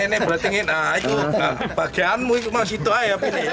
ini berarti ini nah itu bagianmu itu masjid itu aja